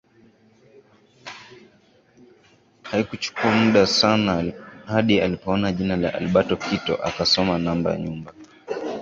Haikuchukuwa mud asana hadi alipoona jina la Alberto Kito akasoma namba ya nyumba